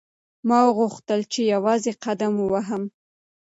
ما غوښتل چې یوازې قدم ووهم.